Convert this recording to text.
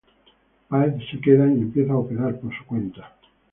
Páez se queda y empieza a operar por su cuenta.